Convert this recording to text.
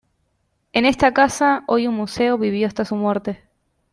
En esta casa, hoy un museo, vivió hasta su muerte.